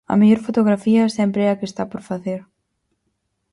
A mellor fotografía sempre é a que está por facer